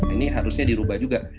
ini harusnya dirubah juga